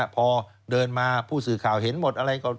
พอเดินมาผู้สื่อข่าวเห็นหมดอะไรก็